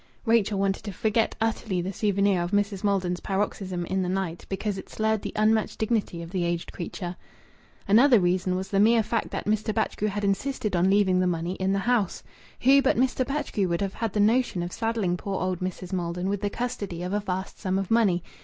(Rachel wanted to forget utterly the souvenir of Mrs. Maldon's paroxysm in the night, because it slurred the unmatched dignity of the aged creature.) Another reason was the mere fact that Mr. Batchgrew had insisted on leaving the money in the house. Who but Mr. Batchgrew would have had the notion of saddling poor old Mrs. Maldon with the custody of a vast sum of money?